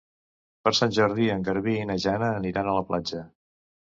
Per Sant Jordi en Garbí i na Jana aniran a la platja.